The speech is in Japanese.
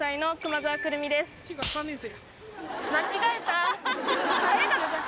間違えた。